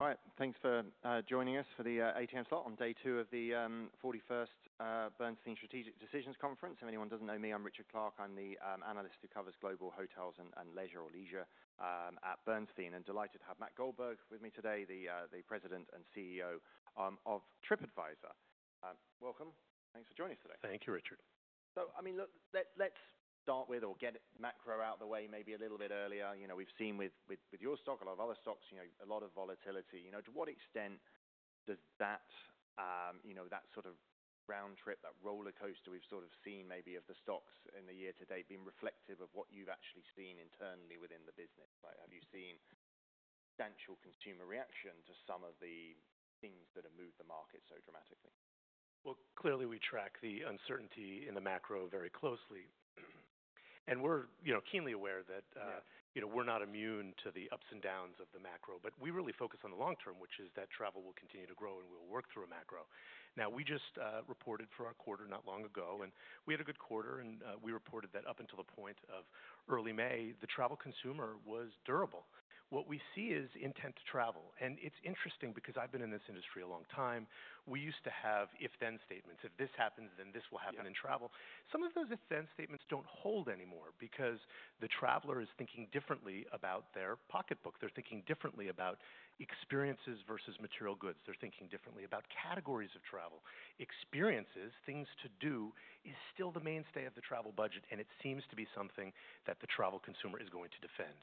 All right, thanks for joining us for the ATM slot on day two of the 41st Bernstein Strategic Decisions Conference. If anyone doesn't know me, I'm Richard Clarke. I'm the analyst who covers global hotels and leisure at Bernstein, and delighted to have Matt Goldberg with me today, the President and CEO of Tripadvisor. Welcome. Thanks for joining us today. Thank you, Richard. I mean, look, let's start with, or get macro out of the way maybe a little bit earlier. You know, we've seen with your stock, a lot of other stocks, a lot of volatility. You know, to what extent does that, you know, that sort of round trip, that roller coaster we've sort of seen maybe of the stocks in the year to date being reflective of what you've actually seen internally within the business? Like, have you seen substantial consumer reaction to some of the things that have moved the market so dramatically? Clearly we track the uncertainty in the macro very closely. And we're, you know, keenly aware that, you know, we're not immune to the ups and downs of the macro, but we really focus on the long term, which is that travel will continue to grow and we'll work through a macro. Now, we just reported for our quarter not long ago, and we had a good quarter, and, we reported that up until the point of early May, the travel consumer was durable. What we see is intent to travel. And it's interesting because I've been in this industry a long time. We used to have if-then statements. If this happens, then this will happen in travel. Some of those if-then statements don't hold anymore because the traveler is thinking differently about their pocketbook. They're thinking differently about experiences versus material goods. They're thinking differently about categories of travel. Experiences, things to do, is still the mainstay of the travel budget, and it seems to be something that the travel consumer is going to defend.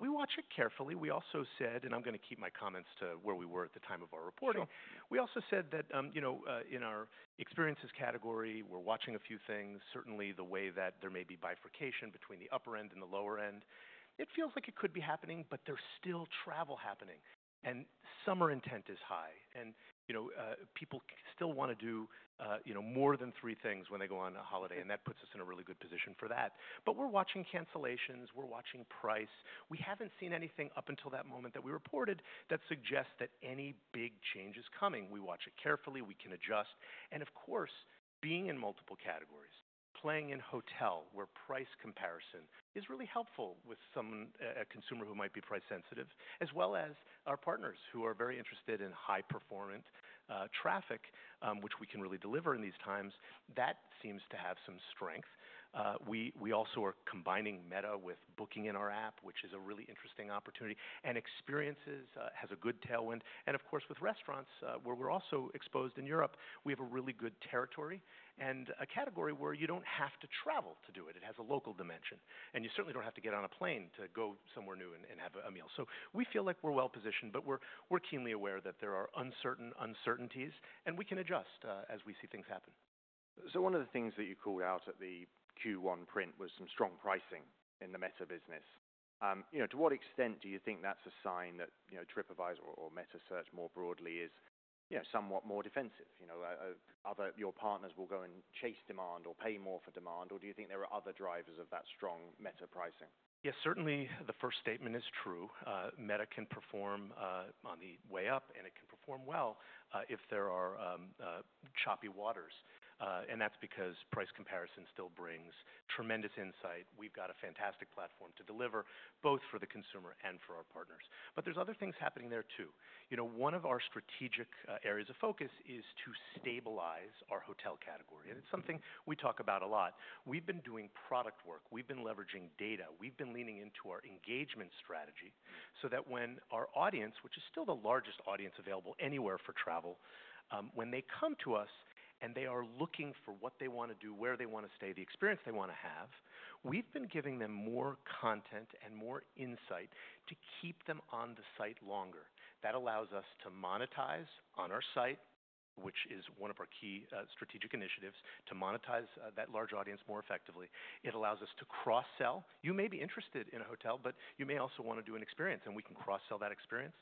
We watch it carefully. We also said, and I'm gonna keep my comments to where we were at the time of our reporting. Sure. We also said that, you know, in our experiences category, we're watching a few things. Certainly, the way that there may be bifurcation between the upper end and the lower end, it feels like it could be happening, but there's still travel happening. Summer intent is high. You know, people still wanna do, you know, more than three things when they go on a holiday, and that puts us in a really good position for that. We're watching cancellations. We're watching price. We haven't seen anything up until that moment that we reported that suggests that any big change is coming. We watch it carefully. We can adjust. Of course, being in multiple categories, playing in hotel, where price comparison is really helpful with a consumer who might be price sensitive, as well as our partners who are very interested in high-performant traffic, which we can really deliver in these times, that seems to have some strength. We also are combining Meta with booking in our app, which is a really interesting opportunity. Experiences has a good tailwind. Of course, with restaurants, where we're also exposed in Europe, we have a really good territory and a category where you don't have to travel to do it. It has a local dimension. You certainly don't have to get on a plane to go somewhere new and have a meal. We feel like we're well-positioned, but we're keenly aware that there are uncertainties, and we can adjust as we see things happen. One of the things that you called out at the Q1 print was some strong pricing in the Meta business. You know, to what extent do you think that's a sign that, you know, Tripadvisor or, or Meta Search more broadly is, you know, somewhat more defensive? You know, other your partners will go and chase demand or pay more for demand, or do you think there are other drivers of that strong Meta pricing? Yeah, certainly the first statement is true. Meta can perform, on the way up, and it can perform well, if there are choppy waters. That is because price comparison still brings tremendous insight. We've got a fantastic platform to deliver, both for the consumer and for our partners. There are other things happening there too. You know, one of our strategic areas of focus is to stabilize our hotel category. It is something we talk about a lot. We've been doing product work. We've been leveraging data. We've been leaning into our engagement strategy so that when our audience, which is still the largest audience available anywhere for travel, when they come to us and they are looking for what they want to do, where they want to stay, the experience they want to have, we've been giving them more content and more insight to keep them on the site longer. That allows us to monetize on our site, which is one of our key, strategic initiatives, to monetize that large audience more effectively. It allows us to cross-sell. You may be interested in a hotel, but you may also wanna do an experience, and we can cross-sell that experience.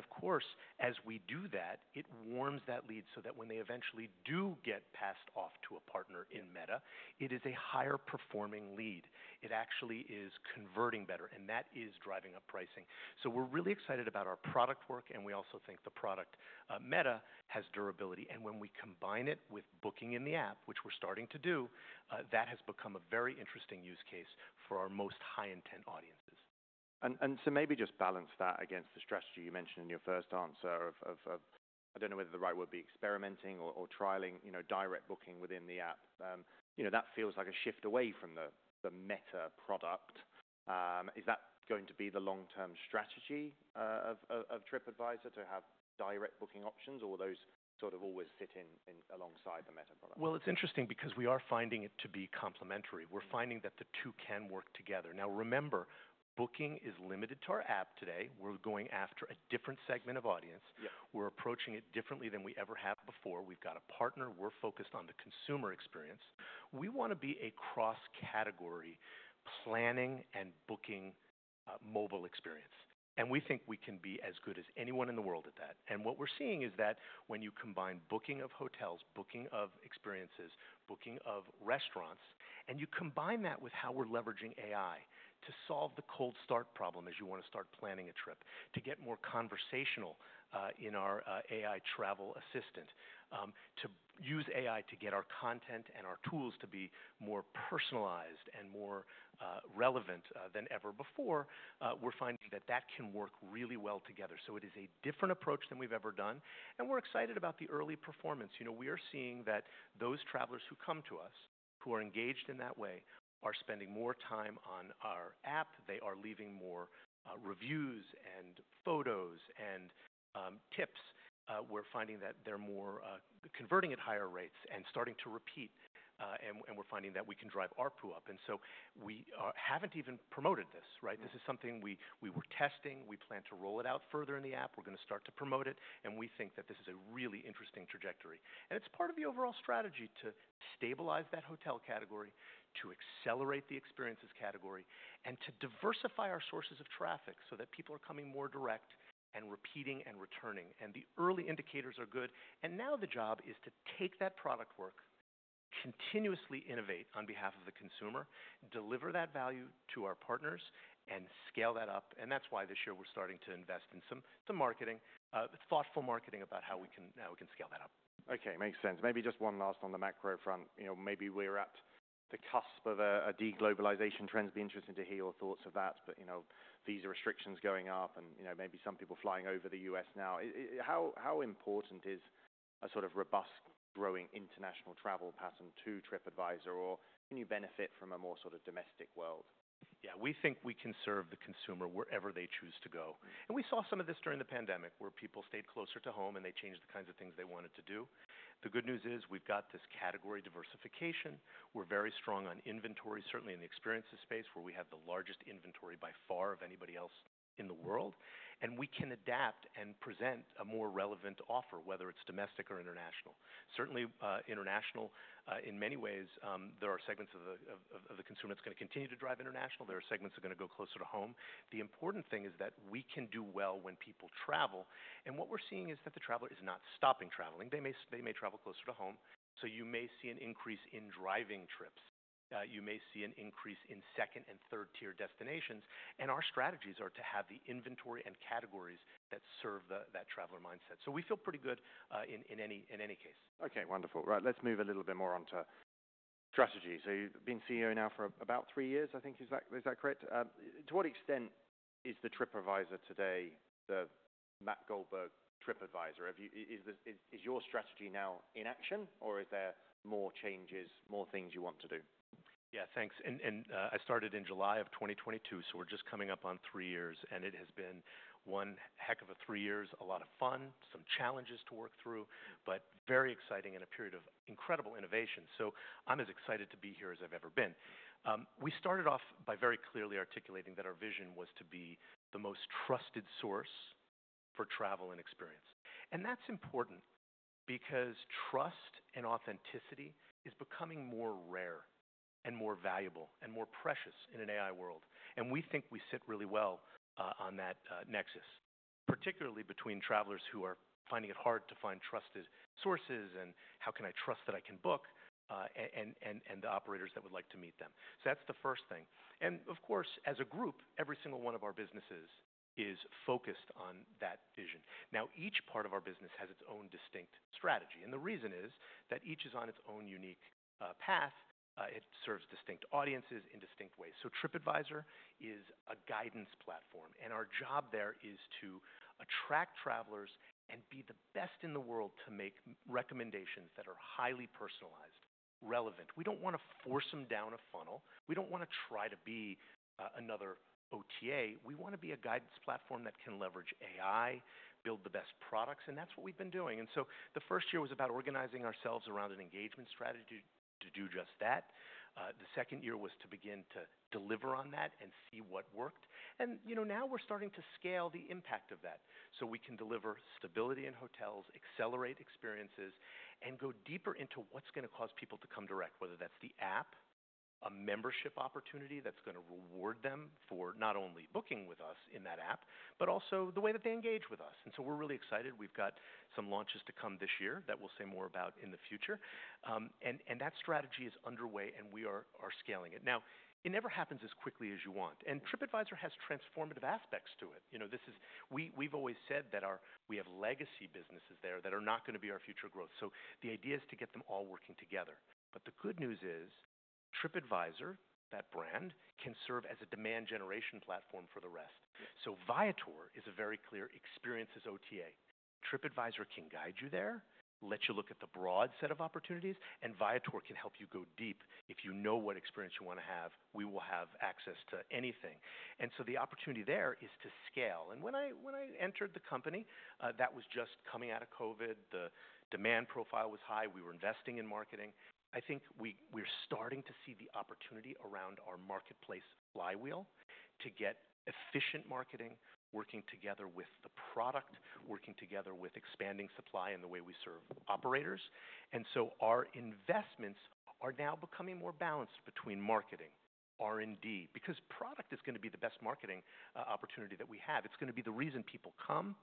Of course, as we do that, it warms that lead so that when they eventually do get passed off to a partner in Meta, it is a higher-performing lead. It actually is converting better, and that is driving up pricing. We are really excited about our product work, and we also think the product, Meta, has durability. When we combine it with booking in the app, which we're starting to do, that has become a very interesting use case for our most high-intent audiences. Maybe just balance that against the strategy you mentioned in your first answer of, I don't know whether the right word would be experimenting or trialing, you know, direct booking within the app. You know, that feels like a shift away from the Meta product. Is that going to be the long-term strategy of Tripadvisor to have direct booking options? Or will those sort of always sit in alongside the Meta product? It's interesting because we are finding it to be complementary. We're finding that the two can work together. Now, remember, booking is limited to our app today. We're going after a different segment of audience. Yeah. We're approaching it differently than we ever have before. We've got a partner. We're focused on the consumer experience. We wanna be a cross-category planning and booking, mobile experience. We think we can be as good as anyone in the world at that. What we're seeing is that when you combine booking of hotels, booking of experiences, booking of restaurants, and you combine that with how we're leveraging AI to solve the cold start problem as you wanna start planning a trip, to get more conversational, in our AI travel assistant, to use AI to get our content and our tools to be more personalized and more relevant than ever before, we're finding that that can work really well together. It is a different approach than we've ever done. We're excited about the early performance. You know, we are seeing that those travelers who come to us, who are engaged in that way, are spending more time on our app. They are leaving more reviews and photos and tips. We're finding that they're converting at higher rates and starting to repeat. We're finding that we can drive ARPU up. We haven't even promoted this, right? This is something we were testing. We plan to roll it out further in the app. We're gonna start to promote it. We think that this is a really interesting trajectory. It is part of the overall strategy to stabilize that hotel category, to accelerate the experiences category, and to diversify our sources of traffic so that people are coming more direct and repeating and returning. The early indicators are good. The job is to take that product work, continuously innovate on behalf of the consumer, deliver that value to our partners, and scale that up. That's why this year we're starting to invest in some thoughtful marketing about how we can scale that up. Okay. Makes sense. Maybe just one last on the macro front. You know, maybe we're at the cusp of a, a deglobalization trend. It'd be interesting to hear your thoughts of that. You know, visa restrictions going up and, you know, maybe some people flying over the U.S. now. How important is a sort of robust, growing international travel pattern to Tripadvisor, or can you benefit from a more sort of domestic world? Yeah, we think we can serve the consumer wherever they choose to go. We saw some of this during the pandemic where people stayed closer to home and they changed the kinds of things they wanted to do. The good news is we've got this category diversification. We're very strong on inventory, certainly in the experiences space, where we have the largest inventory by far of anybody else in the world. We can adapt and present a more relevant offer, whether it's domestic or international. Certainly, international, in many ways, there are segments of the consumer that's gonna continue to drive international. There are segments that are gonna go closer to home. The important thing is that we can do well when people travel. What we're seeing is that the traveler is not stopping traveling. They may travel closer to home. You may see an increase in driving trips. You may see an increase in second and third-tier destinations. Our strategies are to have the inventory and categories that serve that traveler mindset. We feel pretty good, in any case. Okay. Wonderful. Right. Let's move a little bit more onto strategy. So you've been CEO now for about three years, I think. Is that, is that correct? To what extent is the Tripadvisor today the Matt Goldberg Tripadvisor? Have you, is your strategy now in action, or is there more changes, more things you want to do? Yeah, thanks. I started in July of 2022, so we're just coming up on three years. It has been one heck of a three years, a lot of fun, some challenges to work through, but very exciting in a period of incredible innovation. I'm as excited to be here as I've ever been. We started off by very clearly articulating that our vision was to be the most trusted source for travel and experience. That's important because trust and authenticity is becoming more rare and more valuable and more precious in an AI world. We think we sit really well on that nexus, particularly between travelers who are finding it hard to find trusted sources and how can I trust that I can book, and the operators that would like to meet them. That's the first thing. Of course, as a group, every single one of our businesses is focused on that vision. Each part of our business has its own distinct strategy. The reason is that each is on its own unique path. It serves distinct audiences in distinct ways. Tripadvisor is a guidance platform. Our job there is to attract travelers and be the best in the world to make recommendations that are highly personalized and relevant. We do not want to force them down a funnel. We do not want to try to be another OTA. We want to be a guidance platform that can leverage AI and build the best products. That is what we have been doing. The first year was about organizing ourselves around an engagement strategy to do just that. The second year was to begin to deliver on that and see what worked. You know, now we're starting to scale the impact of that so we can deliver stability in hotels, accelerate experiences, and go deeper into what's gonna cause people to come direct, whether that's the app, a membership opportunity that's gonna reward them for not only booking with us in that app, but also the way that they engage with us. We're really excited. We've got some launches to come this year that we'll say more about in the future, and that strategy is underway, and we are scaling it. It never happens as quickly as you want. Tripadvisor has transformative aspects to it. We've always said that we have legacy businesses there that are not gonna be our future growth. The idea is to get them all working together. The good news is Tripadvisor, that brand, can serve as a demand generation platform for the rest. Viator is a very clear experiences OTA. Tripadvisor can guide you there, let you look at the broad set of opportunities, and Viator can help you go deep. If you know what experience you wanna have, we will have access to anything. The opportunity there is to scale. When I entered the company, that was just coming out of COVID. The demand profile was high. We were investing in marketing. I think we're starting to see the opportunity around our marketplace flywheel to get efficient marketing, working together with the product, working together with expanding supply and the way we serve operators. Our investments are now becoming more balanced between marketing and R&D, because product is gonna be the best marketing opportunity that we have. It's gonna be the reason people come,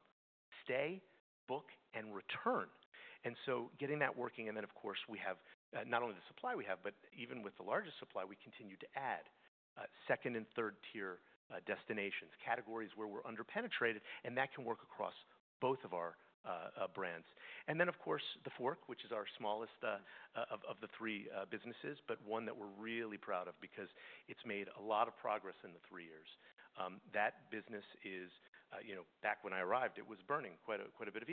stay, book, and return. Getting that working. Of course, we have not only the supply we have, but even with the largest supply, we continue to add second- and third-tier destinations, categories where we're under-penetrated, and that can work across both of our brands. Of course, TheFork, which is our smallest of the three businesses, but one that we're really proud of because it's made a lot of progress in the three years. That business is, you know, back when I arrived, it was burning quite a bit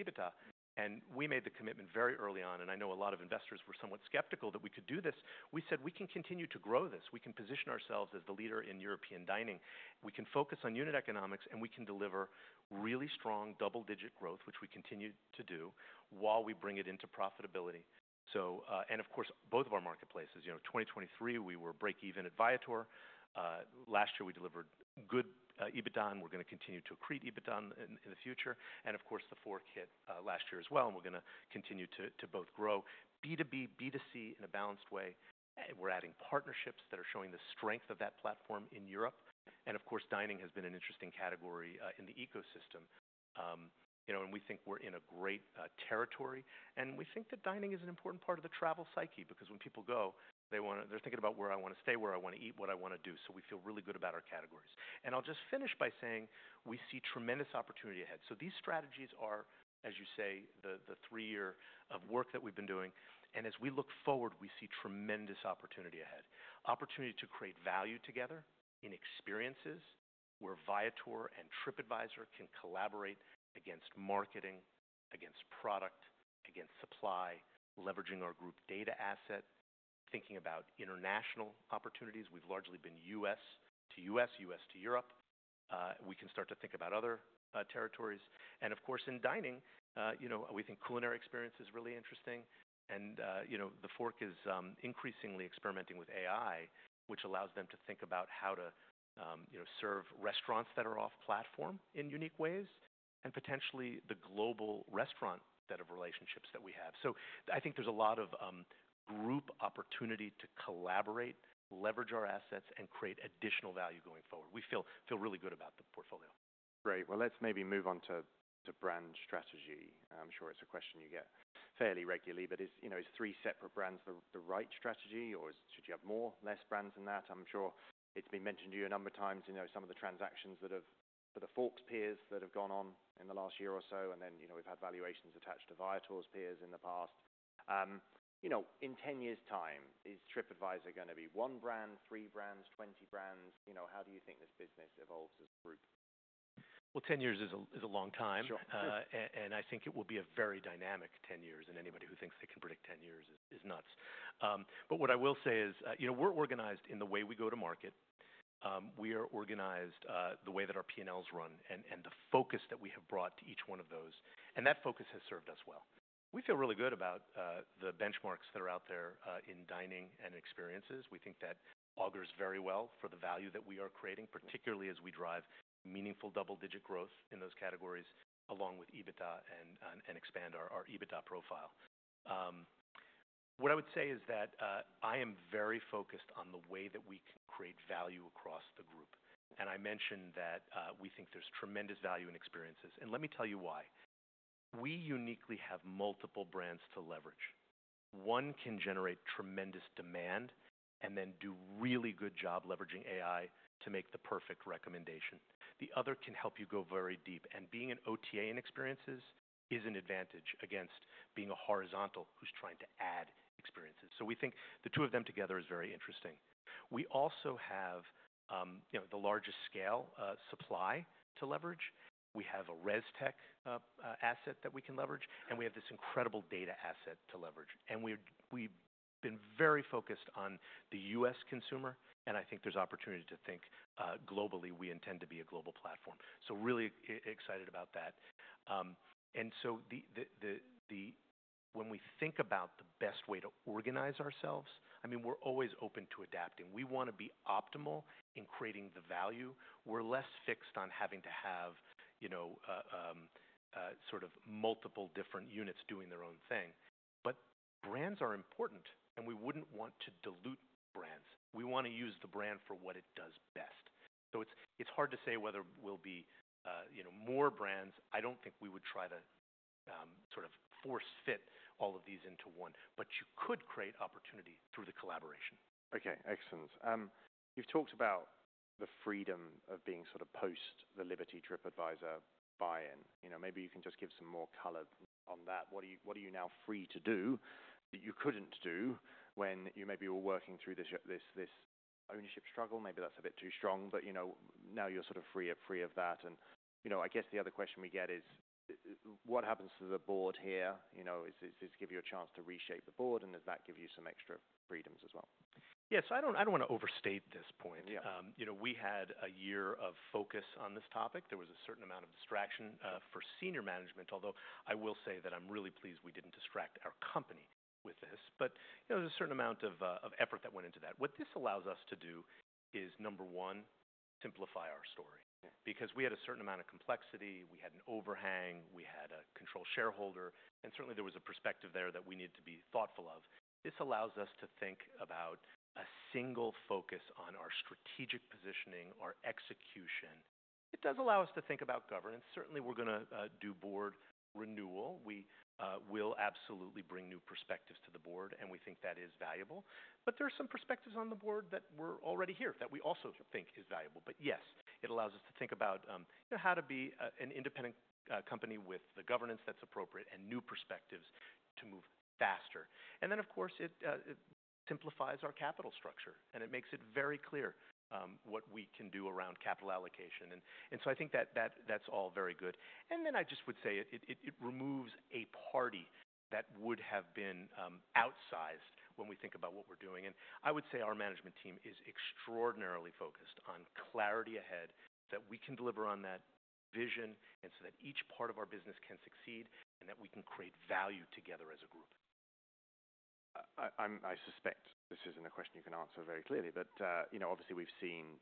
of EBITDA. We made the commitment very early on. I know a lot of investors were somewhat skeptical that we could do this. We said we can continue to grow this. We can position ourselves as the leader in European dining. We can focus on unit economics, and we can deliver really strong double-digit growth, which we continue to do while we bring it into profitability. Of course, both of our marketplaces, you know, 2023, we were break-even at Viator. Last year, we delivered good EBITDA. We're gonna continue to accrete EBITDA in the future. Of course, TheFork hit last year as well. We're gonna continue to both grow B2B, B2C in a balanced way. We're adding partnerships that are showing the strength of that platform in Europe. Of course, dining has been an interesting category in the ecosystem, you know, and we think we're in a great territory. We think that dining is an important part of the travel psyche because when people go, they wanna, they're thinking about where I wanna stay, where I wanna eat, what I wanna do. We feel really good about our categories. I'll just finish by saying we see tremendous opportunity ahead. These strategies are, as you say, the three-year of work that we've been doing. As we look forward, we see tremendous opportunity ahead. Opportunity to create value together in experiences where Viator and Tripadvisor can collaborate against marketing, against product, against supply, leveraging our group data asset, thinking about international opportunities. We've largely been US to US, US to Europe. We can start to think about other territories. Of course, in dining, you know, we think culinary experience is really interesting. TheFork is increasingly experimenting with AI, which allows them to think about how to, you know, serve restaurants that are off-platform in unique ways and potentially the global restaurant set of relationships that we have. I think there is a lot of group opportunity to collaborate, leverage our assets, and create additional value going forward. We feel really good about the portfolio. Great. Let's maybe move on to brand strategy. I'm sure it's a question you get fairly regularly, but is, you know, is three separate brands the right strategy, or should you have more, less brands than that? I'm sure it's been mentioned to you a number of times, you know, some of the transactions that have, for TheFork's peers that have gone on in the last year or so. And then, you know, we've had valuations attached to Viator's peers in the past. You know, in 10 years' time, is Tripadvisor gonna be one brand, three brands, 20 brands? You know, how do you think this business evolves as a group? Ten years is a, is a long time. Sure. I think it will be a very dynamic 10 years. Anybody who thinks they can predict 10 years is nuts. What I will say is, you know, we're organized in the way we go to market. We are organized the way that our P&Ls run and the focus that we have brought to each one of those. That focus has served us well. We feel really good about the benchmarks that are out there in dining and experiences. We think that augers very well for the value that we are creating, particularly as we drive meaningful double-digit growth in those categories along with EBITDA and expand our EBITDA profile. What I would say is that I am very focused on the way that we can create value across the group. I mentioned that we think there's tremendous value in experiences. Let me tell you why. We uniquely have multiple brands to leverage. One can generate tremendous demand and then do a really good job leveraging AI to make the perfect recommendation. The other can help you go very deep. Being an OTA in experiences is an advantage against being a horizontal who's trying to add experiences. We think the two of them together is very interesting. We also have the largest scale supply to leverage. We have a res tech asset that we can leverage. We have this incredible data asset to leverage. We've been very focused on the U.S. consumer. I think there's opportunity to think globally. We intend to be a global platform. Really excited about that. When we think about the best way to organize ourselves, I mean, we're always open to adapting. We wanna be optimal in creating the value. We're less fixed on having to have, you know, sort of multiple different units doing their own thing. Brands are important, and we wouldn't want to dilute brands. We wanna use the brand for what it does best. It's hard to say whether we'll be, you know, more brands. I don't think we would try to, sort of force-fit all of these into one. You could create opportunity through the collaboration. Okay. Excellent. You've talked about the freedom of being sort of post the Liberty Tripadvisor buy-in. You know, maybe you can just give some more color on that. What are you now free to do that you couldn't do when you maybe were working through this ownership struggle? Maybe that's a bit too strong, but, you know, now you're sort of free of that. You know, I guess the other question we get is, what happens to the board here? Is it giving you a chance to reshape the board? Does that give you some extra freedoms as well? Yeah. I don't, I don't wanna overstate this point. Yeah. You know, we had a year of focus on this topic. There was a certain amount of distraction for senior management, although I will say that I'm really pleased we didn't distract our company with this. You know, there's a certain amount of effort that went into that. What this allows us to do is, number one, simplify our story. Okay. Because we had a certain amount of complexity. We had an overhang. We had a controlled shareholder. Certainly, there was a perspective there that we needed to be thoughtful of. This allows us to think about a single focus on our strategic positioning, our execution. It does allow us to think about governance. Certainly, we're gonna do board renewal. We will absolutely bring new perspectives to the board, and we think that is valuable. There are some perspectives on the board that were already here that we also think is valuable. Yes, it allows us to think about, you know, how to be an independent company with the governance that's appropriate and new perspectives to move faster. Of course, it simplifies our capital structure, and it makes it very clear what we can do around capital allocation. I think that's all very good. I just would say it removes a party that would have been outsized when we think about what we're doing. I would say our management team is extraordinarily focused on clarity ahead, that we can deliver on that vision and so that each part of our business can succeed and that we can create value together as a group. I'm, I suspect this isn't a question you can answer very clearly, but, you know, obviously, we've seen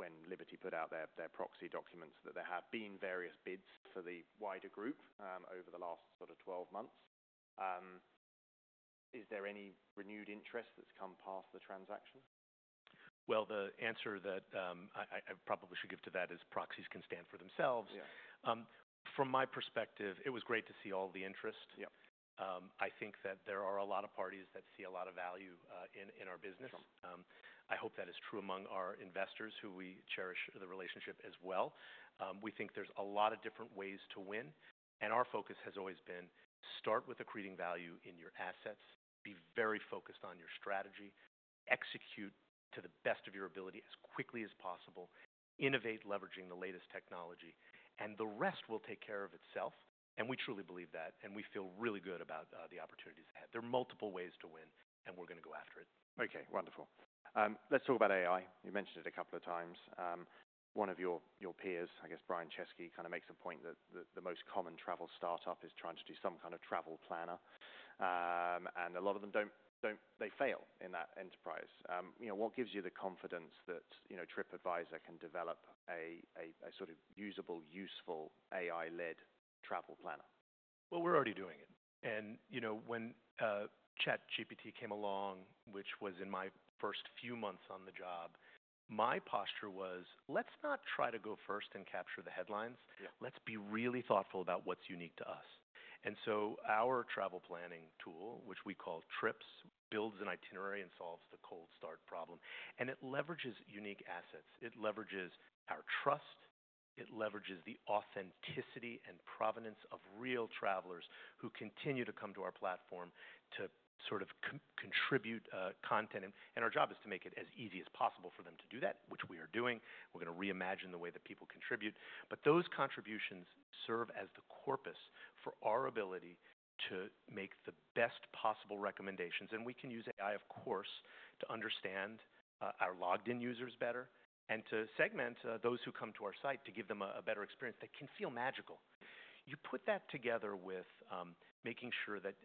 when Liberty put out their proxy documents that there have been various bids for the wider group over the last sort of 12 months. Is there any renewed interest that's come past the transaction? The answer that I probably should give to that is proxies can stand for themselves. Yeah. From my perspective, it was great to see all the interest. Yeah. I think that there are a lot of parties that see a lot of value in our business. Sure. I hope that is true among our investors who we cherish the relationship as well. We think there's a lot of different ways to win. Our focus has always been start with accreting value in your assets, be very focused on your strategy, execute to the best of your ability as quickly as possible, innovate leveraging the latest technology. The rest will take care of itself. We truly believe that. We feel really good about the opportunities ahead. There are multiple ways to win, and we're gonna go after it. Okay. Wonderful. Let's talk about AI. You mentioned it a couple of times. One of your peers, I guess, Brian Chesky, kind of makes a point that the most common travel startup is trying to do some kind of travel planner. And a lot of them don't, they fail in that enterprise. You know, what gives you the confidence that, you know, Tripadvisor can develop a sort of usable, useful AI-led travel planner? We're already doing it. You know, when ChatGPT came along, which was in my first few months on the job, my posture was, let's not try to go first and capture the headlines. Yeah. Let's be really thoughtful about what's unique to us. Our travel planning tool, which we call Trips, builds an itinerary and solves the cold start problem. It leverages unique assets. It leverages our trust. It leverages the authenticity and provenance of real travelers who continue to come to our platform to sort of contribute content. Our job is to make it as easy as possible for them to do that, which we are doing. We're gonna reimagine the way that people contribute. Those contributions serve as the corpus for our ability to make the best possible recommendations. We can use AI, of course, to understand our logged-in users better and to segment those who come to our site to give them a better experience that can feel magical. You put that together with making sure that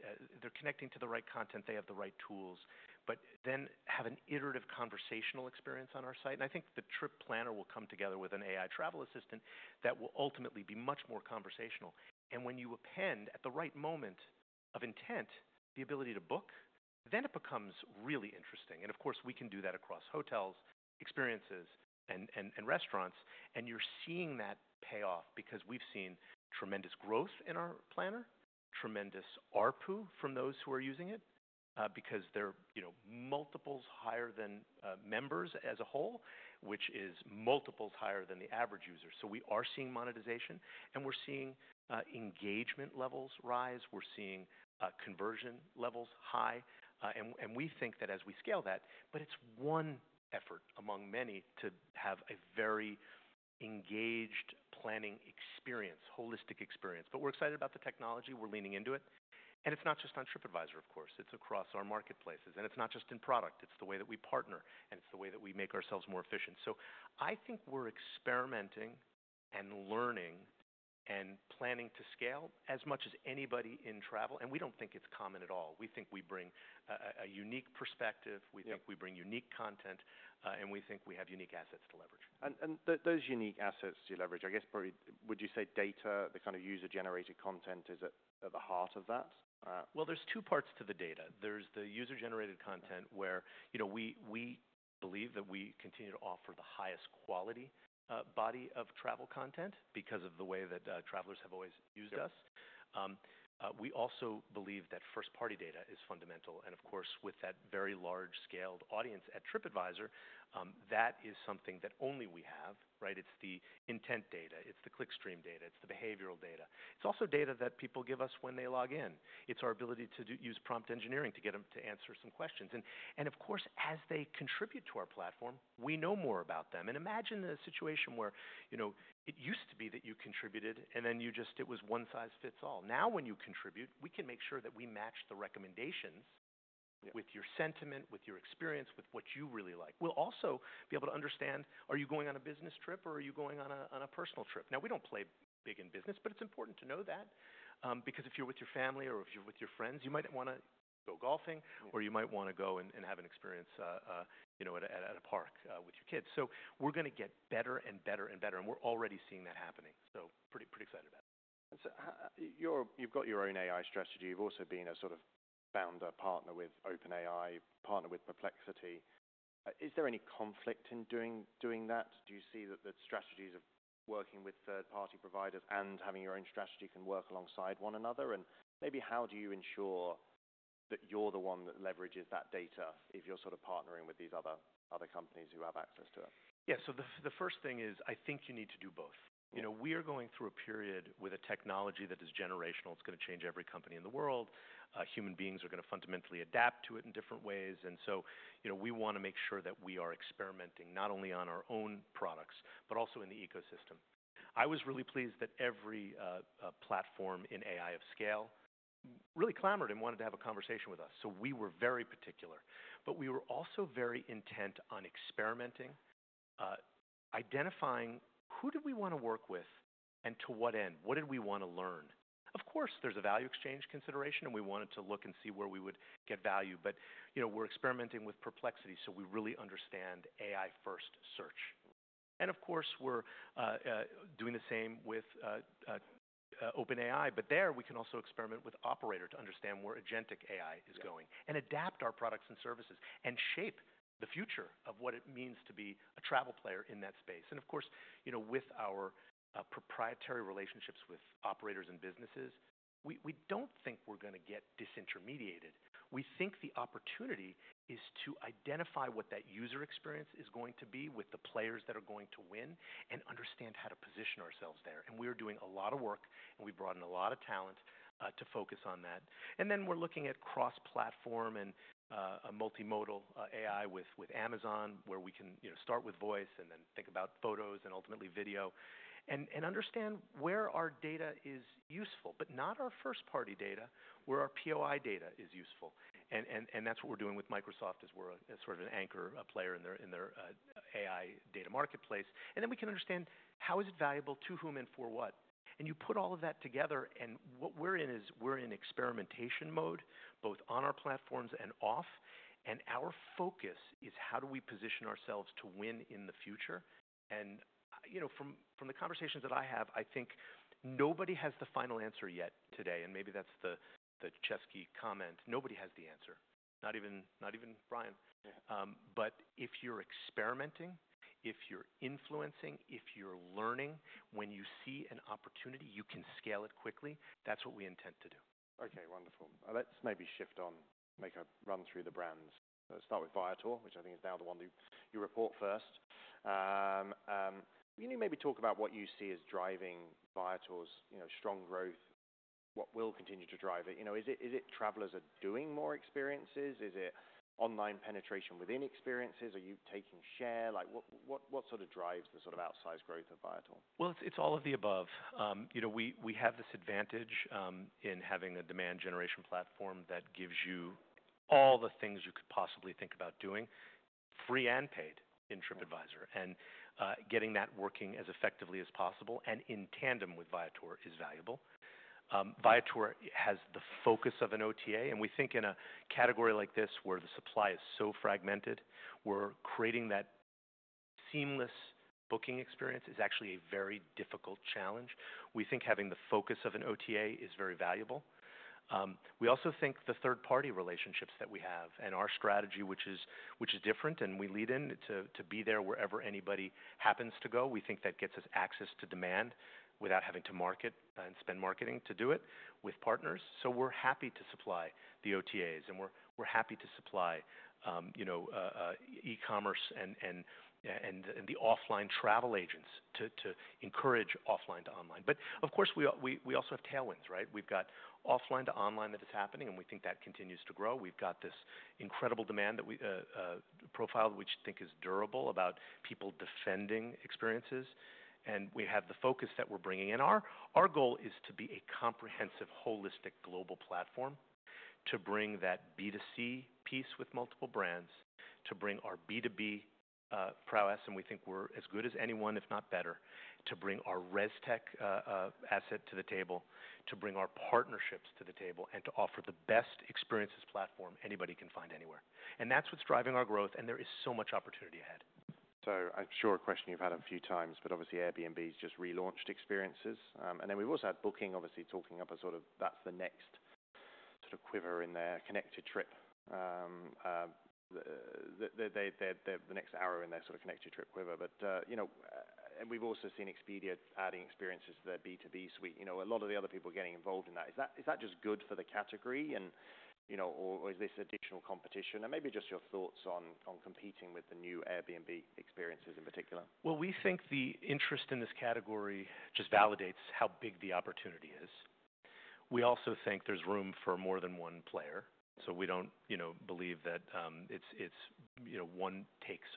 they're connecting to the right content, they have the right tools, but then have an iterative conversational experience on our site. I think the Trip Planner will come together with an AI travel assistant that will ultimately be much more conversational. When you append at the right moment of intent the ability to book, then it becomes really interesting. Of course, we can do that across hotels, experiences, and restaurants. You're seeing that pay off because we've seen tremendous growth in our planner, tremendous ARPU from those who are using it, because they're, you know, multiples higher than members as a whole, which is multiples higher than the average user. We are seeing monetization, and we're seeing engagement levels rise. We're seeing conversion levels high. We think that as we scale that, but it's one effort among many to have a very engaged planning experience, holistic experience. We're excited about the technology. We're leaning into it. It's not just on Tripadvisor, of course. It's across our marketplaces. It's not just in product. It's the way that we partner, and it's the way that we make ourselves more efficient. I think we're experimenting and learning and planning to scale as much as anybody in travel. We don't think it's common at all. We think we bring a unique perspective. We think we bring unique content, and we think we have unique assets to leverage. Those unique assets to leverage, I guess, probably would you say data, the kind of user-generated content is at the heart of that? There are two parts to the data. There is the user-generated content where, you know, we believe that we continue to offer the highest quality body of travel content because of the way that travelers have always used us. We also believe that first-party data is fundamental. Of course, with that very large-scaled audience at Tripadvisor, that is something that only we have, right? It is the intent data. It is the clickstream data. It is the behavioral data. It is also data that people give us when they log in. It is our ability to use prompt engineering to get them to answer some questions. Of course, as they contribute to our platform, we know more about them. Imagine a situation where, you know, it used to be that you contributed, and then you just, it was one size fits all. Now when you contribute, we can make sure that we match the recommendations with your sentiment, with your experience, with what you really like. We'll also be able to understand, are you going on a business trip, or are you going on a personal trip? Now, we don't play big in business, but it's important to know that, because if you're with your family or if you're with your friends, you might wanna go golfing, or you might wanna go and have an experience, you know, at a park, with your kids. We're gonna get better and better and better. We're already seeing that happening. Pretty excited about it. You've got your own AI strategy. You've also been a sort of founder partner with OpenAI, partner with Perplexity. Is there any conflict in doing that? Do you see that the strategies of working with third-party providers and having your own strategy can work alongside one another? Maybe how do you ensure that you're the one that leverages that data if you're sort of partnering with these other companies who have access to it? Yeah. The first thing is I think you need to do both. Yeah. You know, we are going through a period with a technology that is generational. It's gonna change every company in the world. Human beings are gonna fundamentally adapt to it in different ways. And so, you know, we wanna make sure that we are experimenting not only on our own products but also in the ecosystem. I was really pleased that every platform in AI of scale really clamored and wanted to have a conversation with us. So we were very particular. But we were also very intent on experimenting, identifying who did we wanna work with and to what end? What did we wanna learn? Of course, there's a value exchange consideration, and we wanted to look and see where we would get value. But, you know, we're experimenting with Perplexity, so we really understand AI-first search. And of course, we're doing the same with OpenAI. There, we can also experiment with Operator to understand where agentic AI is going and adapt our products and services and shape the future of what it means to be a travel player in that space. Of course, you know, with our proprietary relationships with operators and businesses, we do not think we are going to get disintermediated. We think the opportunity is to identify what that user experience is going to be with the players that are going to win and understand how to position ourselves there. We are doing a lot of work, and we have brought in a lot of talent, to focus on that. We're looking at cross-platform and multimodal AI with Amazon, where we can start with voice and then think about photos and ultimately video and understand where our data is useful, but not our first-party data, where our POI data is useful. That's what we're doing with Microsoft as we're a sort of an anchor, a player in their AI data marketplace. We can understand how is it valuable, to whom, and for what. You put all of that together, and what we're in is experimentation mode both on our platforms and off. Our focus is how do we position ourselves to win in the future. From the conversations that I have, I think nobody has the final answer yet today. Maybe that's the Chesky comment. Nobody has the answer. Not even, not even Brian. Yeah. If you're experimenting, if you're influencing, if you're learning, when you see an opportunity, you can scale it quickly. That's what we intend to do. Okay. Wonderful. Let's maybe shift on, make a run through the brands. Start with Viator, which I think is now the one that you report first. Can you maybe talk about what you see as driving Viator's strong growth, what will continue to drive it? You know, is it travelers are doing more experiences? Is it online penetration within experiences? Are you taking share? What sort of drives the sort of outsized growth of Viator? It's all of the above. You know, we have this advantage in having a demand generation platform that gives you all the things you could possibly think about doing, free and paid, in Tripadvisor. And getting that working as effectively as possible and in tandem with Viator is valuable. Viator has the focus of an OTA. We think in a category like this where the supply is so fragmented, creating that seamless booking experience is actually a very difficult challenge. We think having the focus of an OTA is very valuable. We also think the third-party relationships that we have and our strategy, which is different, and we lead in to be there wherever anybody happens to go. We think that gets us access to demand without having to market, and spend marketing to do it with partners. We're happy to supply the OTAs, and we're happy to supply, you know, e-commerce and the offline travel agents to encourage offline to online. Of course, we also have tailwinds, right? We've got offline to online that is happening, and we think that continues to grow. We've got this incredible demand that we profiled, which I think is durable, about people defending experiences. We have the focus that we're bringing. Our goal is to be a comprehensive, holistic global platform to bring that B2C piece with multiple brands, to bring our B2B prowess. We think we're as good as anyone, if not better, to bring our res tech asset to the table, to bring our partnerships to the table, and to offer the best experiences platform anybody can find anywhere. That's what's driving our growth. There is so much opportunity ahead. I'm sure a question you've had a few times, but obviously, Airbnb's just relaunched experiences, and then we've also had Booking.com, obviously, talking up a sort of that's the next sort of quiver in their connected trip, the next arrow in their sort of connected trip quiver. You know, and we've also seen Expedia adding experiences to their B2B suite. You know, a lot of the other people getting involved in that. Is that just good for the category? You know, or is this additional competition? Maybe just your thoughts on competing with the new Airbnb experiences in particular. We think the interest in this category just validates how big the opportunity is. We also think there's room for more than one player. We don't, you know, believe that it's, it's, you know, one takes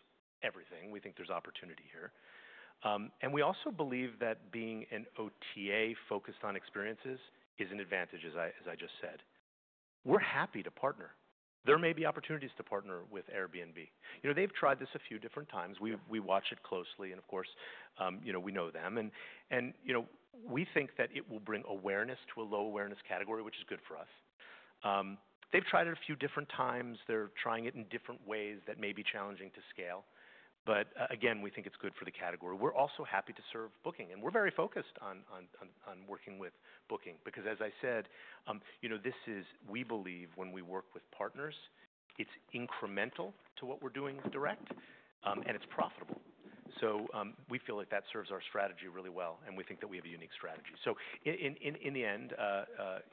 everything. We think there's opportunity here. We also believe that being an OTA focused on experiences is an advantage, as I just said. We're happy to partner. There may be opportunities to partner with Airbnb. You know, they've tried this a few different times. We watch it closely. Of course, you know, we know them. You know, we think that it will bring awareness to a low-awareness category, which is good for us. They've tried it a few different times. They're trying it in different ways that may be challenging to scale. Again, we think it's good for the category. We're also happy to serve Booking.com. We're very focused on working with Booking.com because, as I said, you know, we believe when we work with partners, it's incremental to what we're doing with Direct, and it's profitable. We feel like that serves our strategy really well. We think that we have a unique strategy. In the end,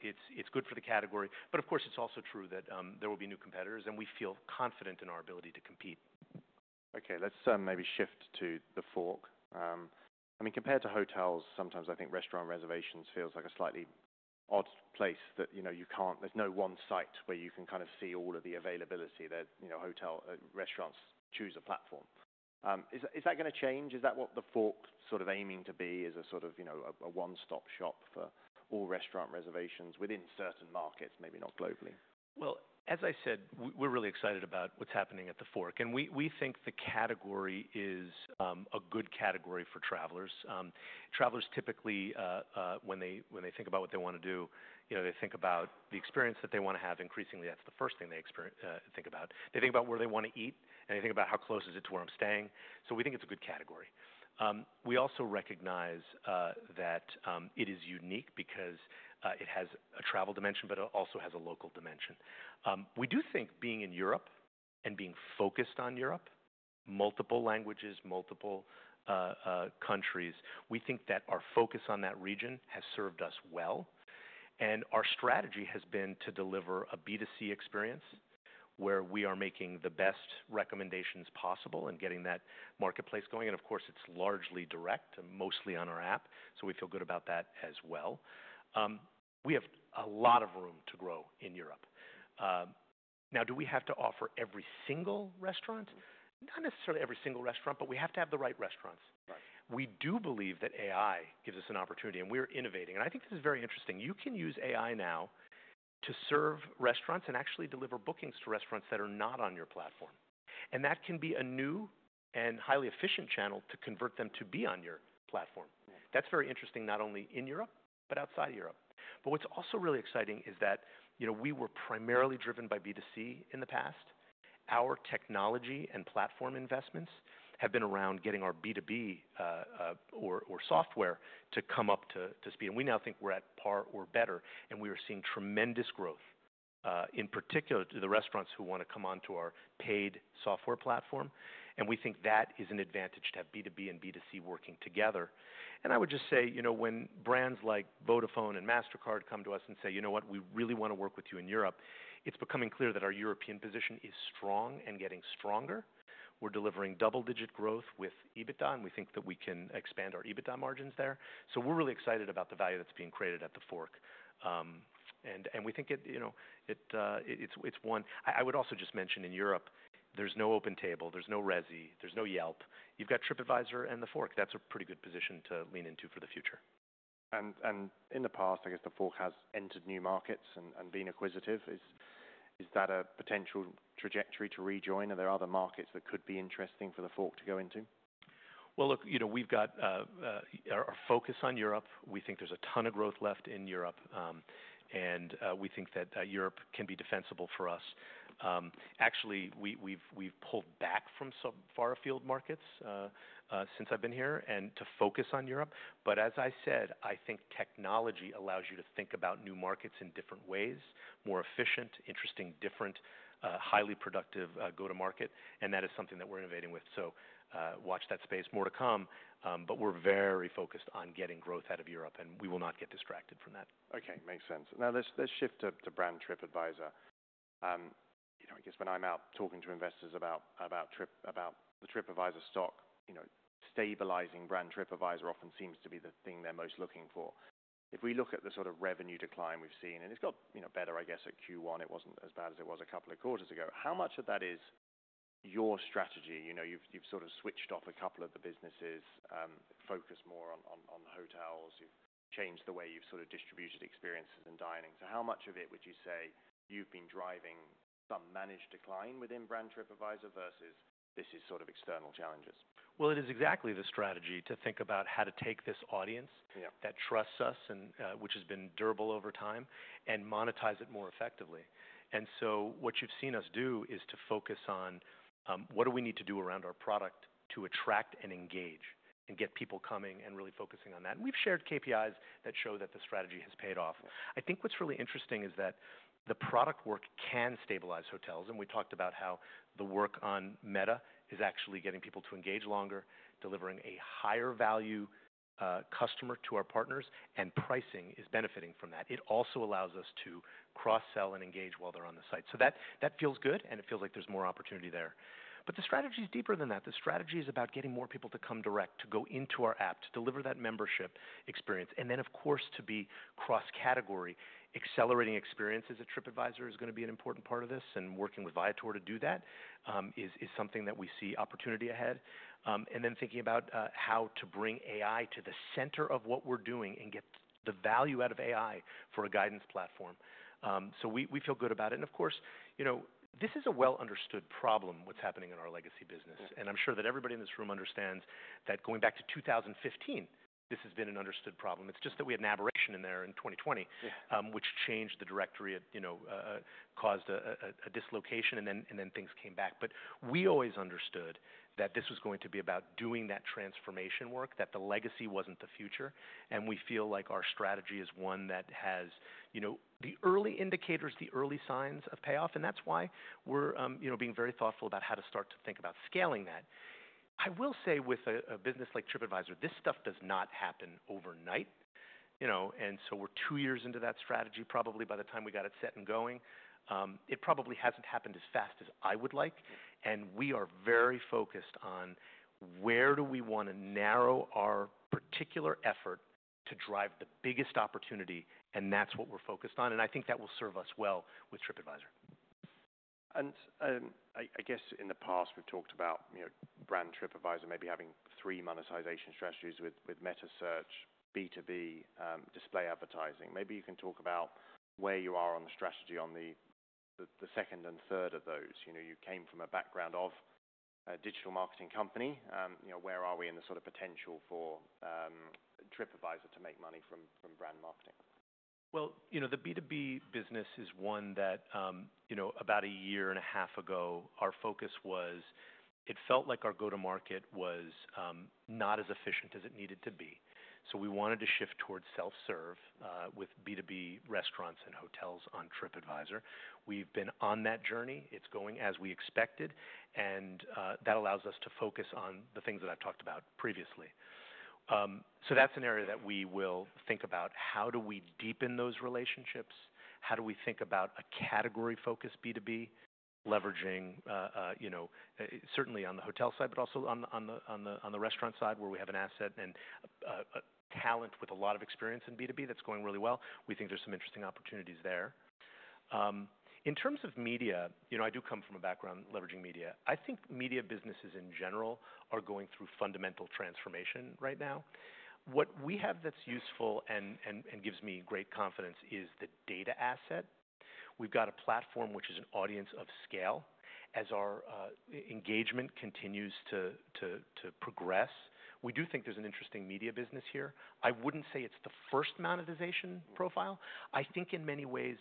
it's good for the category. Of course, it's also true that there will be new competitors, and we feel confident in our ability to compete. Okay. Let's maybe shift to TheFork. I mean, compared to hotels, sometimes I think restaurant reservations feels like a slightly odd place that, you know, you can't, there's no one site where you can kind of see all of the availability that, you know, hotel, restaurants choose a platform. Is that, is that gonna change? Is that what TheFork's sort of aiming to be as a sort of, you know, a one-stop shop for all restaurant reservations within certain markets, maybe not globally? As I said, we're really excited about what's happening at TheFork. We think the category is a good category for travelers. Travelers typically, when they think about what they wanna do, you know, they think about the experience that they wanna have. Increasingly, that's the first thing they think about. They think about where they wanna eat, and they think about how close is it to where I'm staying. We think it's a good category. We also recognize that it is unique because it has a travel dimension, but it also has a local dimension. We do think being in Europe and being focused on Europe, multiple languages, multiple countries, we think that our focus on that region has served us well. Our strategy has been to deliver a B2C experience where we are making the best recommendations possible and getting that marketplace going. Of course, it is largely direct and mostly on our app. We feel good about that as well. We have a lot of room to grow in Europe. Now, do we have to offer every single restaurant? Not necessarily every single restaurant, but we have to have the right restaurants. Right. We do believe that AI gives us an opportunity, and we're innovating. I think this is very interesting. You can use AI now to serve restaurants and actually deliver bookings to restaurants that are not on your platform. That can be a new and highly efficient channel to convert them to be on your platform. That is very interesting, not only in Europe but outside Europe. What is also really exciting is that, you know, we were primarily driven by B2C in the past. Our technology and platform investments have been around getting our B2B, or software, to come up to speed. We now think we're at par or better. We are seeing tremendous growth, in particular to the restaurants who wanna come onto our paid software platform. We think that is an advantage to have B2B and B2C working together. I would just say, you know, when brands like Vodafone and Mastercard come to us and say, "You know what? We really wanna work with you in Europe," it's becoming clear that our European position is strong and getting stronger. We're delivering double-digit growth with EBITDA. We think that we can expand our EBITDA margins there. We're really excited about the value that's being created at TheFork, and we think it, you know, it's one. I would also just mention in Europe, there's no OpenTable. There's no Resy. There's no Yelp. You've got Tripadvisor and TheFork. That's a pretty good position to lean into for the future. In the past, I guess TheFork has entered new markets and been acquisitive. Is that a potential trajectory to rejoin? Are there other markets that could be interesting for TheFork to go into? You know, we've got our focus on Europe. We think there's a ton of growth left in Europe, and we think that Europe can be defensible for us. Actually, we've pulled back from some far afield markets since I've been here to focus on Europe. As I said, I think technology allows you to think about new markets in different ways: more efficient, interesting, different, highly productive go-to-market. That is something that we're innovating with. Watch that space. More to come. We are very focused on getting growth out of Europe, and we will not get distracted from that. Okay. Makes sense. Now, let's shift to Brand Tripadvisor. You know, I guess when I'm out talking to investors about Trip, about the Tripadvisor stock, you know, stabilizing Brand Tripadvisor often seems to be the thing they're most looking for. If we look at the sort of revenue decline we've seen, and it's got, you know, better, I guess, at Q1. It wasn't as bad as it was a couple of quarters ago. How much of that is your strategy? You know, you've sort of switched off a couple of the businesses, focused more on hotels. You've changed the way you've sort of distributed experiences and dining. So how much of it would you say you've been driving some managed decline within Brand Tripadvisor versus this is sort of external challenges? It is exactly the strategy to think about how to take this audience. Yeah. That trusts us and, which has been durable over time and monetize it more effectively. What you've seen us do is to focus on what do we need to do around our product to attract and engage and get people coming and really focusing on that. We've shared KPIs that show that the strategy has paid off. I think what's really interesting is that the product work can stabilize hotels. We talked about how the work on Meta is actually getting people to engage longer, delivering a higher value customer to our partners, and pricing is benefiting from that. It also allows us to cross-sell and engage while they're on the site. That feels good, and it feels like there's more opportunity there. The strategy is deeper than that. The strategy is about getting more people to come direct, to go into our app, to deliver that membership experience, and then, of course, to be cross-category. Accelerating experiences at Tripadvisor is gonna be an important part of this. Working with Viator to do that is something that we see opportunity ahead. Thinking about how to bring AI to the center of what we're doing and get the value out of AI for a guidance platform, we feel good about it. Of course, you know, this is a well-understood problem, what's happening in our legacy business. I'm sure that everybody in this room understands that going back to 2015, this has been an understood problem. It's just that we had an aberration in there in 2020. Yeah. which changed the directory at, you know, caused a dislocation, and then things came back. We always understood that this was going to be about doing that transformation work, that the legacy was not the future. We feel like our strategy is one that has, you know, the early indicators, the early signs of payoff. That is why we are, you know, being very thoughtful about how to start to think about scaling that. I will say with a business like Tripadvisor, this stuff does not happen overnight, you know. We are two years into that strategy, probably by the time we got it set and going. It probably has not happened as fast as I would like. We are very focused on where do we want to narrow our particular effort to drive the biggest opportunity. That is what we are focused on. I think that will serve us well with TripAdvisor. I guess in the past, we've talked about, you know, Brand Tripadvisor maybe having three monetization strategies with Meta Search, B2B, display advertising. Maybe you can talk about where you are on the strategy on the second and third of those. You know, you came from a background of a digital marketing company. You know, where are we in the sort of potential for Tripadvisor to make money from brand marketing? You know, the B2B business is one that, you know, about a year and a half ago, our focus was it felt like our go-to-market was not as efficient as it needed to be. We wanted to shift towards self-serve, with B2B restaurants and hotels on Tripadvisor. We've been on that journey. It's going as we expected. That allows us to focus on the things that I've talked about previously. That's an area that we will think about. How do we deepen those relationships? How do we think about a category-focused B2B leveraging, you know, certainly on the hotel side, but also on the restaurant side where we have an asset and talent with a lot of experience in B2B that's going really well. We think there's some interesting opportunities there. In terms of media, you know, I do come from a background leveraging media. I think media businesses in general are going through fundamental transformation right now. What we have that's useful and gives me great confidence is the data asset. We've got a platform which is an audience of scale. As our engagement continues to progress, we do think there's an interesting media business here. I wouldn't say it's the first monetization profile. I think in many ways,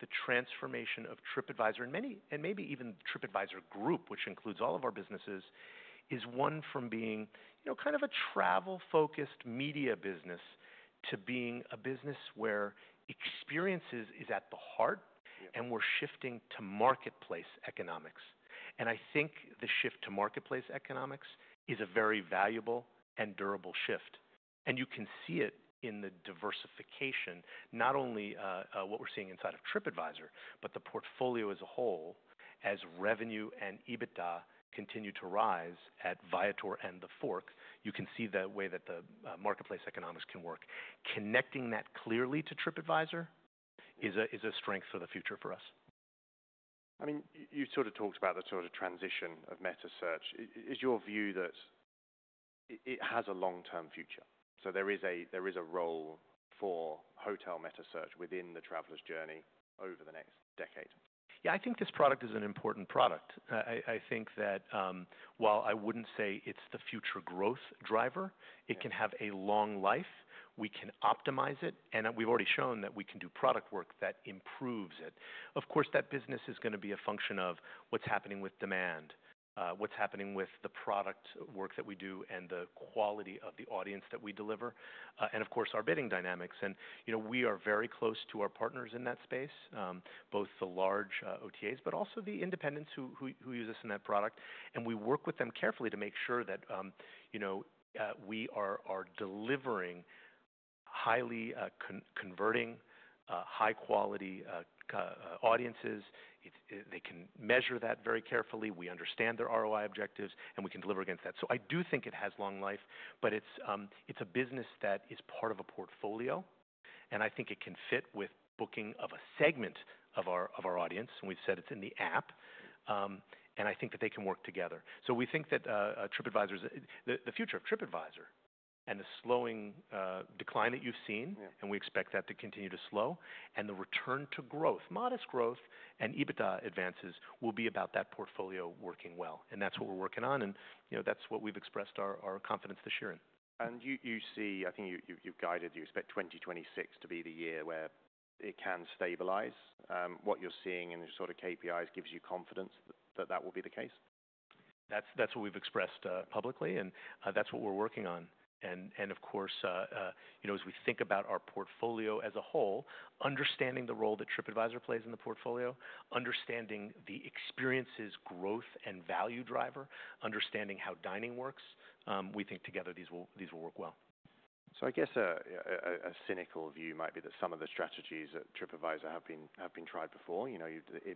the transformation of Tripadvisor and maybe even the Tripadvisor group, which includes all of our businesses, is one from being, you know, kind of a travel-focused media business to being a business where experiences is at the heart. Yeah. We're shifting to marketplace economics. I think the shift to marketplace economics is a very valuable and durable shift. You can see it in the diversification, not only what we're seeing inside of Tripadvisor, but the portfolio as a whole, as revenue and EBITDA continue to rise at Viator and TheFork. You can see the way that the marketplace economics can work. Connecting that clearly to Tripadvisor is a strength for the future for us. I mean, you sort of talked about the sort of transition of Meta Search. Is your view that it has a long-term future? There is a role for hotel Meta Search within the traveler's journey over the next decade. Yeah. I think this product is an important product. I think that, while I wouldn't say it's the future growth driver, it can have a long life. We can optimize it. And we've already shown that we can do product work that improves it. Of course, that business is gonna be a function of what's happening with demand, what's happening with the product work that we do and the quality of the audience that we deliver, and of course, our bidding dynamics. You know, we are very close to our partners in that space, both the large OTAs, but also the independents who use us in that product. We work with them carefully to make sure that, you know, we are delivering highly converting, high-quality audiences. They can measure that very carefully. We understand their ROI objectives, and we can deliver against that. I do think it has long life, but it's a business that is part of a portfolio. I think it can fit with booking of a segment of our audience. We've said it's in the app. I think that they can work together. We think that Tripadvisor's the future of Tripadvisor and the slowing decline that you've seen. Yeah. We expect that to continue to slow. The return to growth, modest growth, and EBITDA advances will be about that portfolio working well. That is what we're working on. You know, that's what we've expressed our confidence this year in. You see, I think you've guided you expect 2026 to be the year where it can stabilize. What you're seeing in the sort of KPIs gives you confidence that that will be the case? That's what we've expressed publicly. That's what we're working on. Of course, you know, as we think about our portfolio as a whole, understanding the role that Tripadvisor plays in the portfolio, understanding the experiences, growth, and value driver, understanding how dining works, we think together these will work well. I guess a cynical view might be that some of the strategies at Tripadvisor have been tried before. You know,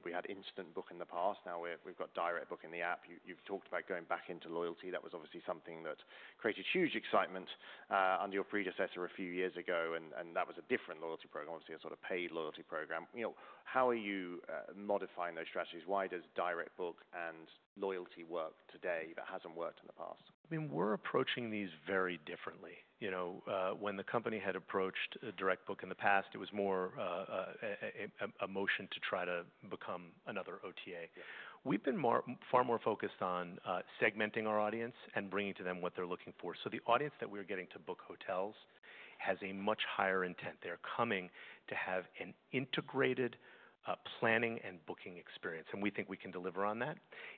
we had instant book in the past. Now we've got direct book in the app. You've talked about going back into loyalty. That was obviously something that created huge excitement under your predecessor a few years ago. That was a different loyalty program, obviously a sort of paid loyalty program. You know, how are you modifying those strategies? Why does direct book and loyalty work today that hasn't worked in the past? I mean, we're approaching these very differently. You know, when the company had approached direct book in the past, it was more a motion to try to become another OTA. Yeah. We've been far more focused on segmenting our audience and bringing to them what they're looking for. The audience that we're getting to book hotels has a much higher intent. They're coming to have an integrated planning and booking experience. We think we can deliver on that.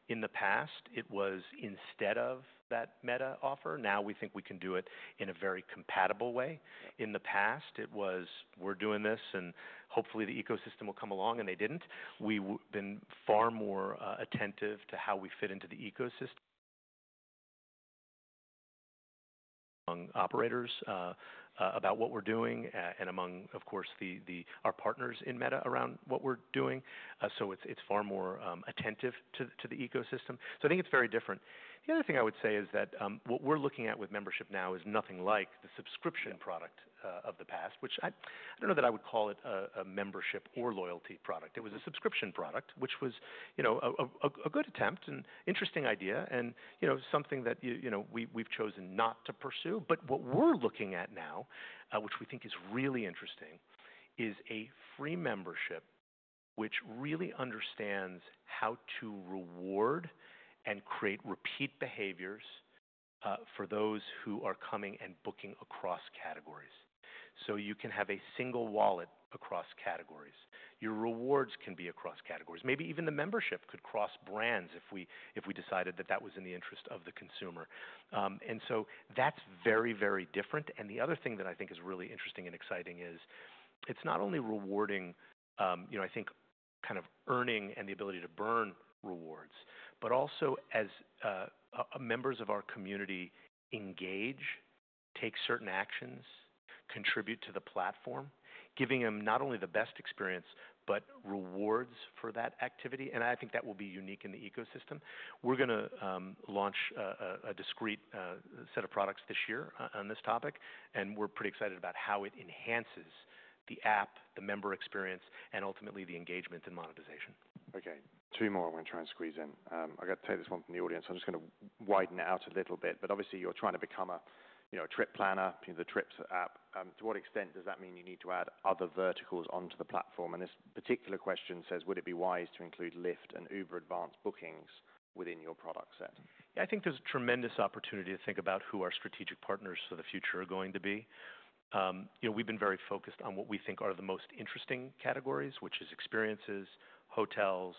In the past, it was instead of that Meta offer. Now we think we can do it in a very compatible way. In the past, it was, we're doing this and hopefully the ecosystem will come along, and they didn't. We've been far more attentive to how we fit into the ecosystem among operators, about what we're doing, and among, of course, our partners in Meta around what we're doing. It's far more attentive to the ecosystem. I think it's very different. The other thing I would say is that what we're looking at with membership now is nothing like the subscription product of the past, which I, I don't know that I would call it a membership or loyalty product. It was a subscription product, which was, you know, a good attempt and interesting idea and, you know, something that you, you know, we've chosen not to pursue. What we're looking at now, which we think is really interesting, is a free membership which really understands how to reward and create repeat behaviors for those who are coming and booking across categories. You can have a single wallet across categories. Your rewards can be across categories. Maybe even the membership could cross brands if we decided that that was in the interest of the consumer. That is very, very different. The other thing that I think is really interesting and exciting is it's not only rewarding, you know, I think kind of earning and the ability to burn rewards, but also as members of our community engage, take certain actions, contribute to the platform, giving them not only the best experience but rewards for that activity. I think that will be unique in the ecosystem. We're gonna launch a discreet set of products this year on this topic. We're pretty excited about how it enhances the app, the member experience, and ultimately the engagement and monetization. Okay. Two more I'm gonna try and squeeze in. I've got to take this one from the audience. I'm just gonna widen it out a little bit. Obviously you're trying to become a, you know, a trip planner, you know, the Trips app. To what extent does that mean you need to add other verticals onto the platform? This particular question says, would it be wise to include Lyft and Uber advanced bookings within your product set? Yeah. I think there's a tremendous opportunity to think about who our strategic partners for the future are going to be. You know, we've been very focused on what we think are the most interesting categories, which is experiences, hotels,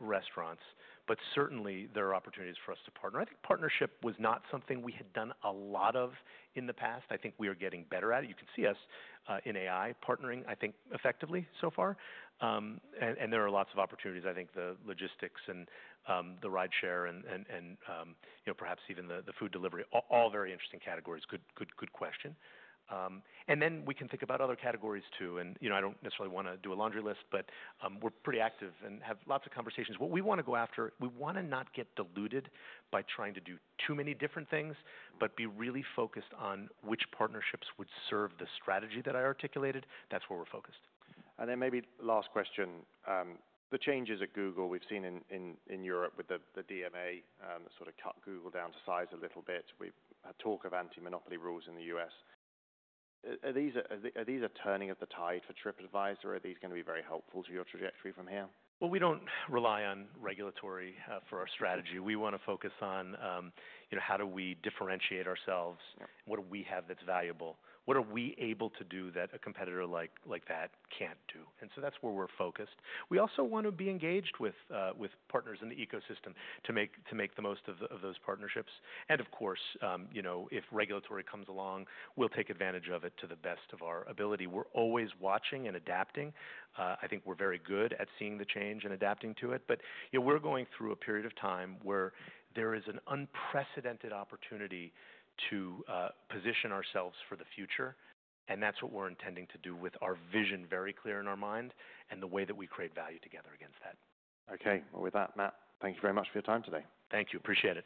restaurants. But certainly there are opportunities for us to partner. I think partnership was not something we had done a lot of in the past. I think we are getting better at it. You can see us, in AI partnering, I think, effectively so far. And there are lots of opportunities. I think the logistics and the rideshare and, you know, perhaps even the food delivery, all very interesting categories. Good question. And then we can think about other categories too. You know, I don't necessarily wanna do a laundry list, but we're pretty active and have lots of conversations. What we wanna go after, we wanna not get diluted by trying to do too many different things, but be really focused on which partnerships would serve the strategy that I articulated. That's where we're focused. Maybe last question. The changes at Google we've seen in Europe with the DMA sort of cut Google down to size a little bit. We've had talk of anti-monopoly rules in the U.S. Are these a turning of the tide for Tripadvisor? Are these gonna be very helpful to your trajectory from here? We don't rely on regulatory, for our strategy. We wanna focus on, you know, how do we differentiate ourselves? Yeah. What do we have that's valuable? What are we able to do that a competitor like that can't do? That is where we're focused. We also wanna be engaged with partners in the ecosystem to make the most of those partnerships. Of course, you know, if regulatory comes along, we'll take advantage of it to the best of our ability. We're always watching and adapting. I think we're very good at seeing the change and adapting to it. You know, we're going through a period of time where there is an unprecedented opportunity to position ourselves for the future. That is what we're intending to do with our vision very clear in our mind and the way that we create value together against that. Okay. With that, Matt, thank you very much for your time today. Thank you. Appreciate it.